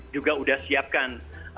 juga sudah siapkan